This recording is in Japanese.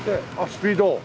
スピード。